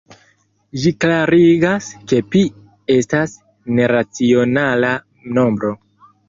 Ĝi klarigas, ke pi estas neracionala nombro.